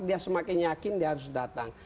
dia semakin yakin dia harus datang